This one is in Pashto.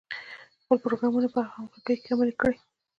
خپل پروګرامونه په همغږۍ کې عملي کړي.